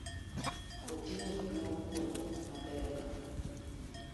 Oting'o gik mogundho mabeyo kaka